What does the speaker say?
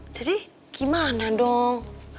jadi gimana dong